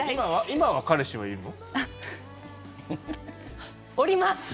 今は彼氏はいるの。